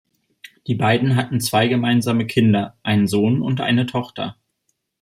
Die beiden hatten zwei gemeinsame Kinder, einen Sohn und eine Tochter.